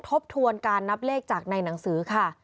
ทบทวนการนับเลขจากในหนังสือค่ะ